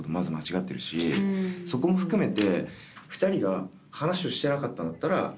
そこも含めて。